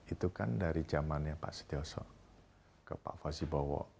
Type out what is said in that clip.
itu kan dari zamannya pak sutyoso ke pak fawzi bowo